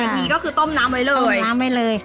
๒๐นาทีก็คือต้มน้ำเอาได้เลย